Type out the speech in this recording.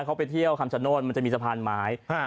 เขาไปเที่ยวคำชโนธมันจะมีสะพานไม้